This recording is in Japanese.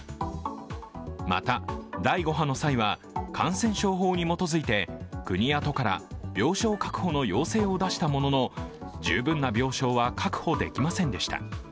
また、第５波の際は感染症法に基づいて国や都から病床確保の要請を出したものの十分な病床は確保できませんでした。